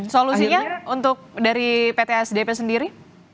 solusinya untuk dari pts dp sendiri